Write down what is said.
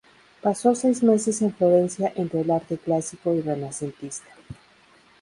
Pasó seis meses en Florencia entre el arte clásico y renacentista.